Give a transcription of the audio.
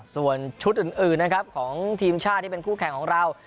ส่วนชุดอื่นนะครับของทีมชาติที่เป็นคู่แข่งของเรา